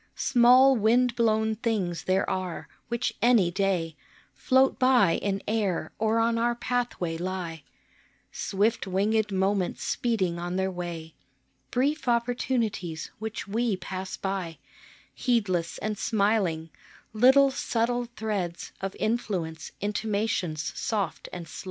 Small wind blown things there are, which any day Float by in air or on our pathway lie, Swift winged moments speeding on their way, Brief opportunities, which we pass by Heedless and smiling, little subtle threads Of influence intimations soft and sly.